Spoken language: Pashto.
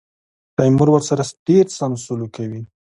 تیمور ورسره ډېر سم سلوک کوي.